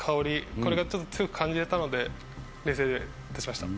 これがちょっと強く感じれたので冷製で出しました